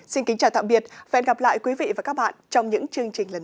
xin kính chào tạm biệt và hẹn gặp lại quý vị và các bạn trong những chương trình lần sau